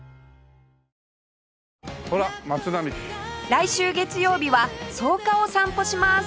来週月曜日は草加を散歩します